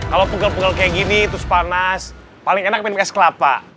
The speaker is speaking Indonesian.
kalau pegel pegel kayak gini terus panas paling enak minum es kelapa